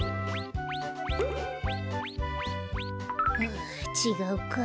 あちがうか。